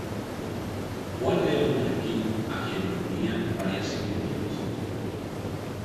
Juan León Mallorquín a quien lo unía varias similitudes.